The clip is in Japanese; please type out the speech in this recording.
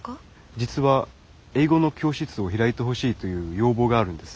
実は英語の教室を開いてほしいという要望があるんです。